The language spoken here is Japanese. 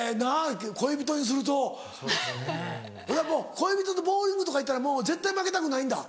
恋人とボウリングとか行ったら絶対負けたくないんだ。